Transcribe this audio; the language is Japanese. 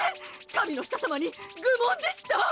神の舌さまに愚問でした！